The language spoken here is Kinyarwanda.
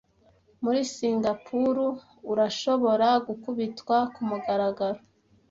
Muri Singapuru urashobora gukubitwa kumugaragaro